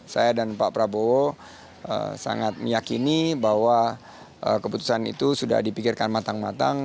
saya dan pak prabowo sangat meyakini bahwa keputusan itu sudah dipikirkan matang matang